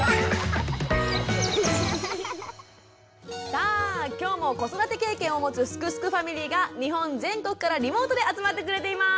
さあ今日も子育て経験を持つ「すくすくファミリー」が日本全国からリモートで集まってくれています。